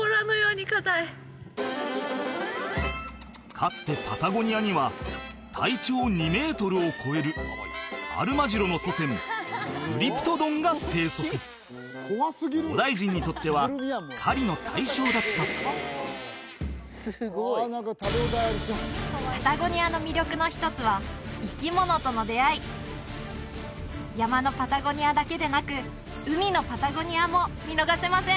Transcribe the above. かつてパタゴニアには体長２メートルを超えるアルマジロの祖先グリプトドンが生息古代人にとっては狩りの対象だったパタゴニアの魅力の一つは生き物との出会い山のパタゴニアだけでなく海のパタゴニアも見逃せません